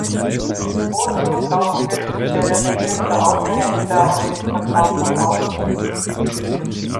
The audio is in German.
Wozu brauchen wir spezielle Regeln für Autohändler und den Verkauf von Autos?